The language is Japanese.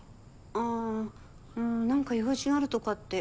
ああうん何か用事があるとかって。